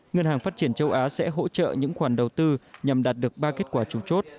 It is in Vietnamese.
ngân hàng phát triển châu á sẽ hỗ trợ những khoản đầu tư nhằm đạt được ba kết quả chủ chốt